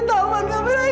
bawa dia pak